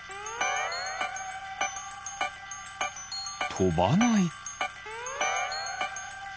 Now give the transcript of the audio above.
とばない。